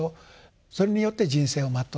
それによって人生を全うする。